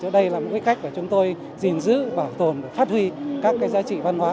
đây là một cách chúng tôi giữ bảo tồn phát huy các giá trị văn hóa